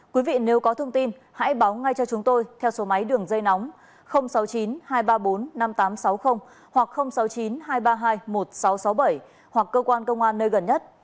quý vị nếu có thông tin hãy báo ngay cho chúng tôi theo số máy đường dây nóng sáu mươi chín hai trăm ba mươi bốn năm nghìn tám trăm sáu mươi hoặc sáu mươi chín hai trăm ba mươi hai một nghìn sáu trăm sáu mươi bảy hoặc cơ quan công an nơi gần nhất